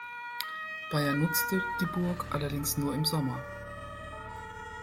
Beyer nutzte die Burg allerdings nur im Sommer.